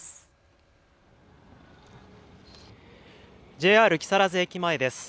ＪＲ木更津駅前です。